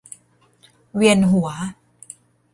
เวียนหัว